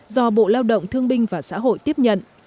do bộ lao động thương binh và xã hội tiếp nhận